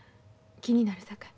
気になるさかい。